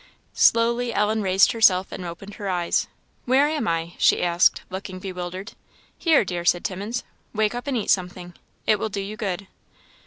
Slowly Ellen raised herself, and opened her eyes. "Where am I?" she asked looking bewildered. "Here, dear," said Timmins "wake up and eat something it will do you good."